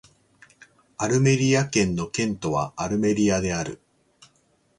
アルメリア県の県都はアルメリアである